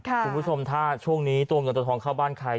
คุณผู้ชมถ้าช่วงนี้ตัวเงินตัวทองเข้าบ้านใคร